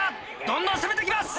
どんどん攻めて来ます。